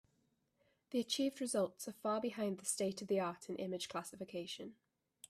The achieved results are far behind the state-of-the-art in image classification.